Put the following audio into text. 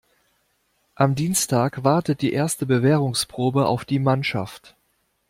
Am Dienstag wartet die erste Bewährungsprobe auf die Mannschaft.